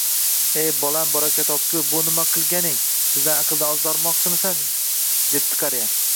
– E bolam! Baraka topkur, bu nima qilganing, bizlarni aqldan ozdirmoqchimisan? – debdi qariya.